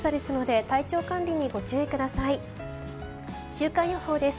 週間予報です。